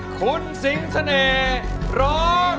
คุณสิงเสน่ห์ร้อง